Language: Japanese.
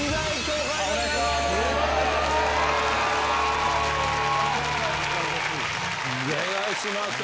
お願いします。